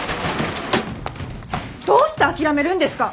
どうして諦めるんですか！